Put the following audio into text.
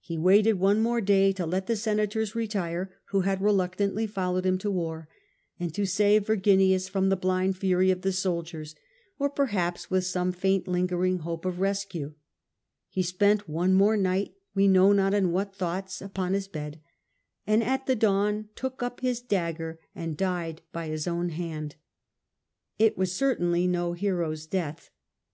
He waited one more day to let the senators retire who had reluctantly followed him to war, and to save Verginius from the blind fury of the soldiers, or perhaps with some faint lingering hope of rescue ; he spent one more night, we know not in what •nd he died thoughts, upon his bed, and at the dawn took hamUt'^° up his dagger and died by his own hand. It Brixeiiura. was Certainly no hero's death.